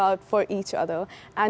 untuk satu sama lain